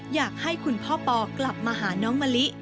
อยากให้คุณพ่อปอกลับมาหาน้องมะลิ